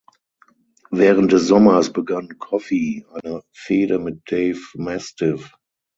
Während des Sommers begann Coffey eine Fehde mit Dave Mastiff.